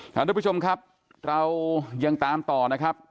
ท่านผู้ชมครับเรายังตามต่อนะครับ